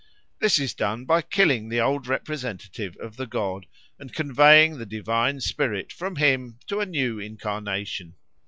This is done by killing the old representative of the god and conveying the divine spirit from him to a new incarnation.